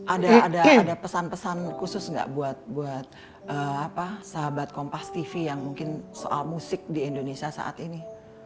ada pesan pesan khusus nggak buat sahabat kompas tv yang mungkin soal musik di indonesia saat ini